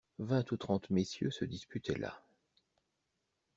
Vingt ou trente messieurs se disputaient là.